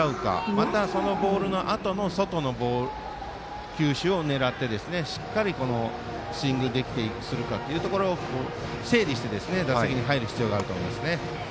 またそのボールのあとの外の球種を狙ってしっかりスイングするかというところを整理して打席に入る必要があると思います。